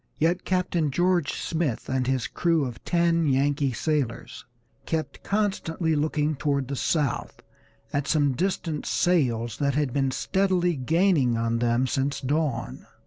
Yet Captain George Smith, and his crew of ten Yankee sailors, kept constantly looking toward the south at some distant sails that had been steadily gaining on them since dawn.